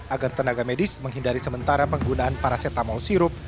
agar tenaga medis menghindari sementara penggunaan paracetamol sirup